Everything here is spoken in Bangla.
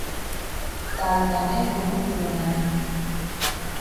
তাঁর জ্ঞানের কোনো তুলনা নেই।